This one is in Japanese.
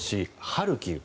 ハルキウ。